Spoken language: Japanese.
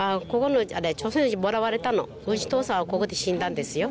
朝鮮人にもらわれたの父さんはここで死んだんですよ